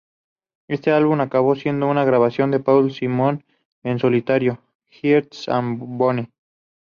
Este álbum acabó siendo una grabación de Paul Simon en solitario, "Hearts and Bones".